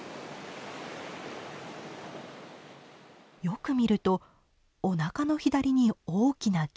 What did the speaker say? よく見るとおなかの左に大きな傷。